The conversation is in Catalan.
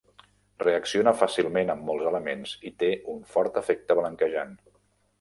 Reacciona fàcilment amb molts elements i té un fort efecte blanquejant.